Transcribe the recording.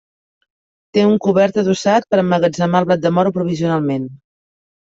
Té un cobert adossat per a emmagatzemar el blat de moro provisionalment.